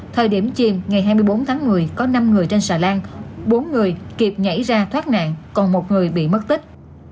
thời điểm chiều ngày hai mươi bốn tháng một mươi có năm người trên xà lan bốn người kịp nhảy ra thoát nạn còn một người bị mất tích